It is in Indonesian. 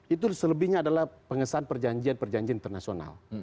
itu selebihnya adalah pengesahan perjanjian perjanjian internasional